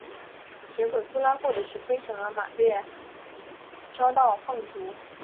结果苏拉获得指挥权而马略遭到放逐。